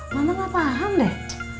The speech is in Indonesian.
mama gak paham deh